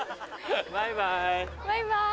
バイバイ。